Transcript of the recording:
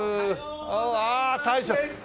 ああ大将。